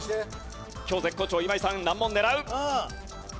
今日絶好調今井さん難問狙う。